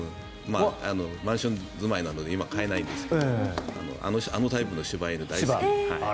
マンション住まいなので今は飼えないんですけどあのタイプの柴犬、大好き。